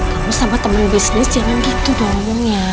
kamu sama temen bisnis jangan begitu dong ya